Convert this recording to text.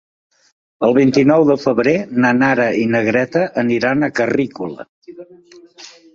El vint-i-nou de febrer na Nara i na Greta aniran a Carrícola.